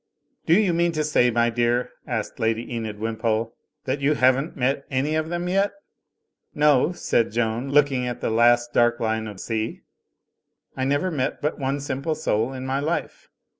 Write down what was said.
"Do you mean to say, my dear," asked Lady Enid Wimpole, "that you haven't met any of them yet?" "No," said Joan, looking at the last dark line of sea. "I never met but one simple soul in my life."